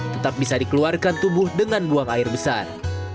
tetap bisa dikeluarkan tubuh dengan buang air besar